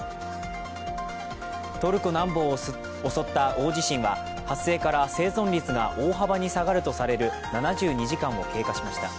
トルコ南部を襲った大地震は発生から生存率が大幅に下がるとされる７２時間を経過しました。